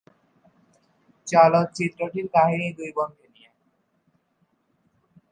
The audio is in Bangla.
চলচ্চিত্রটির কাহিনী দুই বোনকে নিয়ে।